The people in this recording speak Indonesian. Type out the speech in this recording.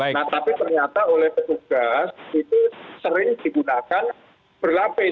nah tapi ternyata oleh petugas itu sering digunakan berlapis